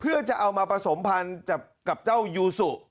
เพื่อจะเอามาผสมพันธ์กับเจ้ายูสุ